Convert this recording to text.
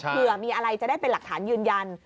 เผื่อมีอะไรจะได้เป็นหลักฐานยืนยัน